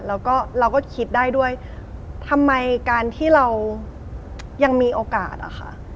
แล้วก็เราก็คิดได้ด้วยทำไมการที่เรายังมีโอกาสอะค่ะ